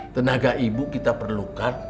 tenaga ibu kita perlukan